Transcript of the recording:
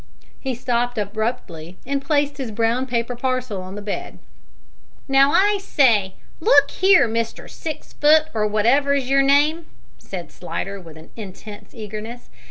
He stopped abruptly, and placed his brown paper parcel on the bed. "Now, I say, look here, Mister Six foot or wotever's your name," said Slidder, with intense eagerness.